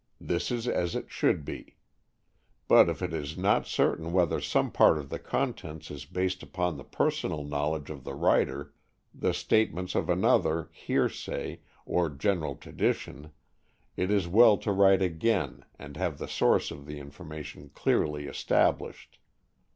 This is as it should be. But if it is not certain whether some part of the contents is based upon the personal knowledge of the writer, the statements of another, hearsay, or general tradition, it is well to write again and have the source of the information clearly established.